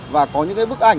và có những cái bức ảnh